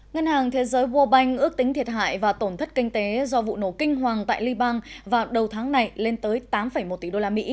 ngân hàng thế giới world bank ước tính thiệt hại và tổn thất kinh tế do vụ nổ kinh hoàng tại liban vào đầu tháng này lên tới tám một tỷ usd